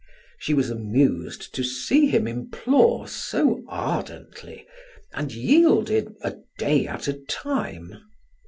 She was amused to see him implore so ardently and yielded a day at a time.